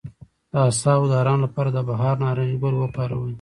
د اعصابو د ارام لپاره د بهار نارنج ګل وکاروئ